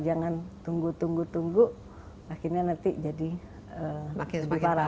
jangan tunggu tunggu tunggu akhirnya nanti jadi makin parah